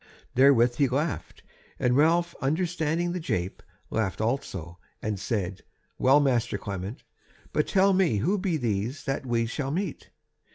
Therewith he laughed, and Ralph understanding the jape, laughed also; and said: "Well, master Clement, but tell me who be these that we shall meet."